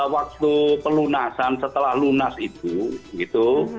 waktu pelunasan setelah lunas itu gitu